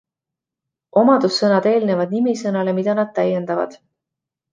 Omadussõnad eelnevad nimisõnale, mida nad täiendavad.